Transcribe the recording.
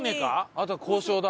あとは交渉だ。